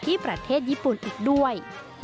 ประเทศญี่ปุ่นอีกด้วย